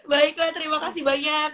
baiklah terima kasih banyak